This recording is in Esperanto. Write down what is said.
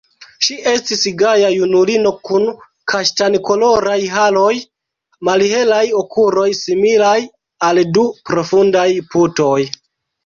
Ŝi estis gaja junulino kun kaŝtankoloraj haroj, malhelaj okuloj, similaj al du profundaj putoj.